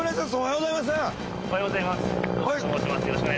おはようございます。